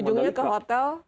jadi ujung ujungnya ke hotel